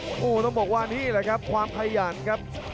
โอ้โหต้องบอกว่านี่แหละครับความขยันครับ